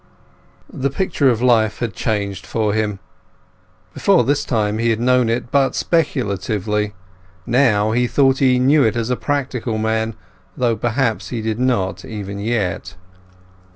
The picture of life had changed for him. Before this time he had known it but speculatively; now he thought he knew it as a practical man; though perhaps he did not, even yet.